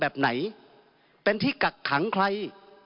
แบบไหนเป็นที่กักขังใคร